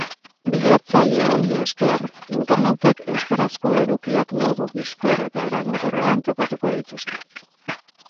Bilatzaile honi esker internautek euskarazko edukiak modu bizkor eta eraginkorrean topatuko dituzte.